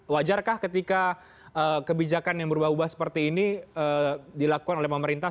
wajarkah ketika kebijakan yang berubah ubah seperti ini dilakukan oleh pemerintah